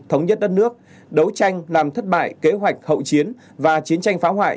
thống nhất đất nước đấu tranh làm thất bại kế hoạch hậu chiến và chiến tranh phá hoại